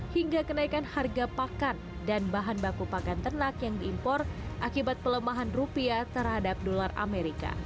hingga kenaikan harga pakan dan bahan baku pakan ternak yang diimpor akibat pelemahan rupiah terhadap dolar amerika